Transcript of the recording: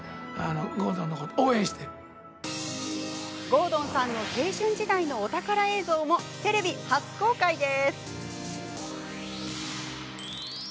郷敦さんの青春時代のお宝映像もテレビ初公開です。